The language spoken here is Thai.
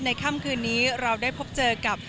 ค่ำคืนนี้เราได้พบเจอกับ